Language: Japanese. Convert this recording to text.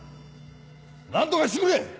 何とかしてくれ！